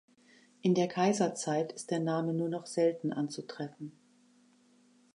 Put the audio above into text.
In der Kaiserzeit ist der Name nur noch selten anzutreffen.